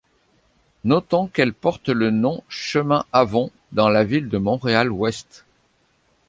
Notons qu'elle porte le nom Chemin Avon dans la ville de Montréal-Ouest.